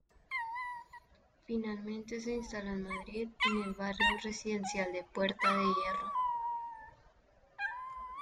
Finalmente se instaló en Madrid, en el barrio residencial de Puerta de Hierro.